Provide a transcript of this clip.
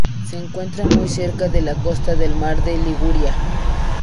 Se encuentra muy cerca de la costa del mar de Liguria.